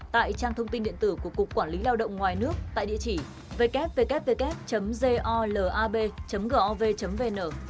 tại trang thông tin điện tử của cục quản lý lao động ngoài nước tại địa chỉ ww golab gov vn